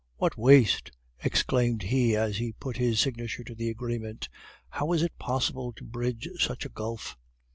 "'What waste!' exclaimed he as he put his signature to the agreement. 'How is it possible to bridge such a gulf?